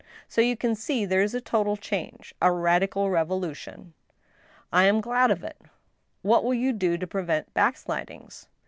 So you can see there is a total change, a radical revolution." " I am glad of it. What will you do to prevent backslidings